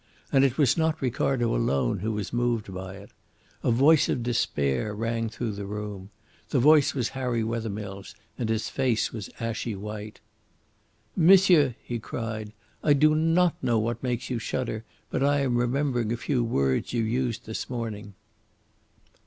And it was not Ricardo alone who was moved by it. A voice of despair rang through the room. The voice was Harry Wethermill's, and his face was ashy white. "Monsieur!" he cried, "I do not know what makes you shudder; but I am remembering a few words you used this morning."